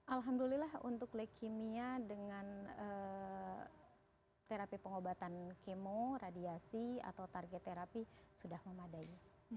alhamdulillah untuk leukemia dengan terapi pengobatan kemo radiasi atau target terapi sudah memadai